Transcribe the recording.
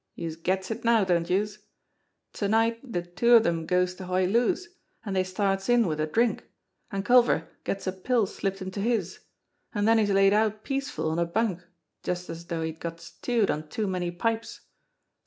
Youse gets it now, don't youse? To night de two of dem goes to Hoy Loo's, an' dey starts in wid a drink, an' Culver gets a pill slipped into his, an' den he's laid out peaceful on a bunk just as though he'd got stewed on too many pipes.